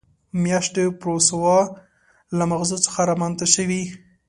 میاشت د پوروسا له مغزو څخه رامنځته شوې.